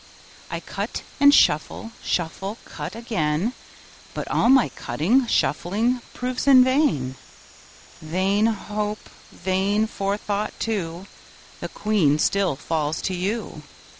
I cut and shuffle; shuffle, cut, again; But all my cutting, shuffling, proves in vain: Vain hope, vain forethought, too; That Queen still falls to you.